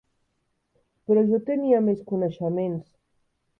Però jo tenia més coneixements.